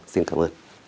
xin cảm ơn